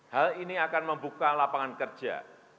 hal ini akan membuka lapangan kerja